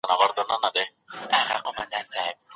ښه ذهنیت پرمختګ نه زیانمنوي.